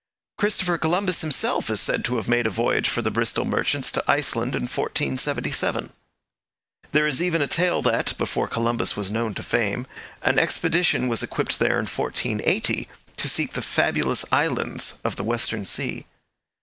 Christopher Columbus himself is said to have made a voyage for the Bristol merchants to Iceland in 1477. There is even a tale that, before Columbus was known to fame, an expedition was equipped there in 1480 to seek the 'fabulous islands' of the Western Sea.